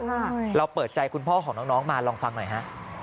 เราเปิดใจคุณพ่อของน้องมาลองฟังหน่อยฮะ